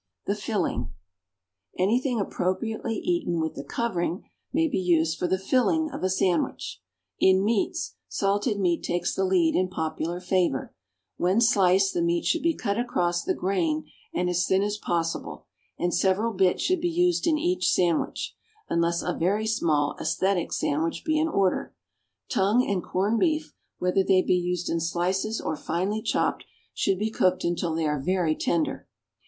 =The Filling.= Anything appropriately eaten with the covering may be used for the filling of a sandwich. In meats, salted meat takes the lead in popular favor; when sliced the meat should be cut across the grain and as thin as possible, and several bits should be used in each sandwich, unless a very small, æsthetic sandwich be in order. Tongue and corned beef, whether they be used in slices or finely chopped, should be cooked until they are very tender.